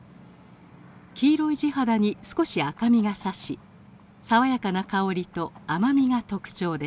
黄色い地肌に少し赤みがさし爽やかな香りと甘みが特徴です。